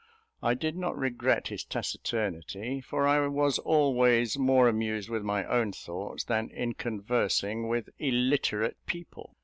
I did not regret his taciturnity, for I was always more amused with my own thoughts, than in conversing with illiterate people.